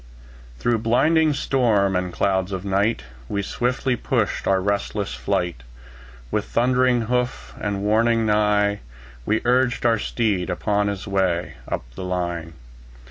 Through blinding storm and clouds of night, We swiftly pushed our restless flight; With thundering hoof and warning neigh, We urged our steed upon his way Up the line.